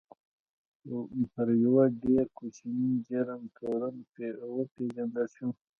پر یوه ډېر کوچني جرم تورن وپېژندل شو.